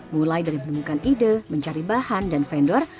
mulai dari menemukan ide mencari bahan dan vendor